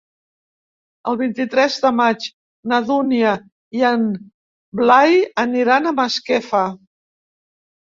El vint-i-tres de maig na Dúnia i en Blai aniran a Masquefa.